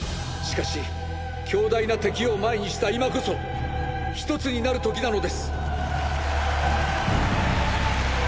しかし強大な敵を前にした今こそ一つになる時なのです！！